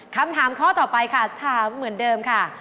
คำถามข้อต่อไปค่ะถามเหมือนเดิมค่ะ